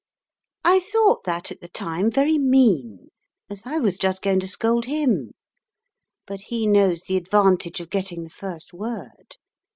I thought that at the time very mean, as I was just going to scold him; but he knows the advantage of getting the first word.